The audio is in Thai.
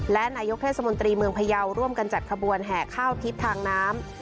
และนายกเทศมนตรีเมืองพยาวร่วมกันจัดขบวนแห่ข้าวทิพย์ทางน้ำ